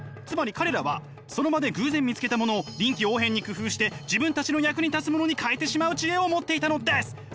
つまり彼らはその場で偶然見つけたものを臨機応変に工夫して自分たちの役に立つものに変えてしまう知恵を持っていたのです！